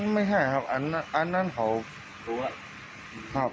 ไม่ใช่ครับอันนั้นเขา